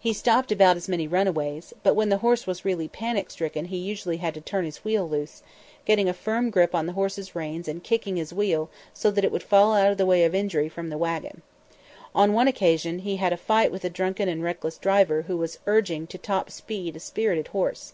He stopped about as many runaways; but when the horse was really panic stricken he usually had to turn his wheel loose, getting a firm grip on the horse's reins and then kicking his wheel so that it would fall out of the way of injury from the wagon. On one occasion he had a fight with a drunken and reckless driver who was urging to top speed a spirited horse.